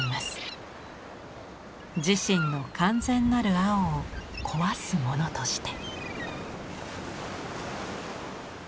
自身の完全なる青を壊すものとして。